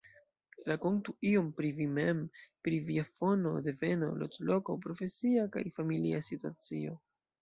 Rakontu iom pri vi mem pri via fono, deveno, loĝloko, profesia kaj familia situacio.